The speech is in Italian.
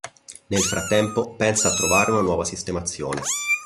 Nel frattempo pensa a trovare una nuova sistemazione.